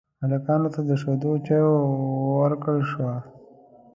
هلکانو ته د شيدو چايو ورکړل شوه.